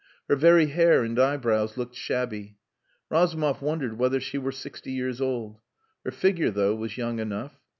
Her very hair and eyebrows looked shabby. Razumov wondered whether she were sixty years old. Her figure, though, was young enough.